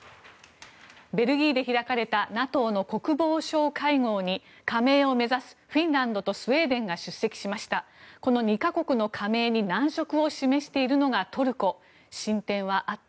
ベルギーで開かれたＮＡＴＯの国防相会合に加盟を目指すフィンランドとスウェーデンが出席しました。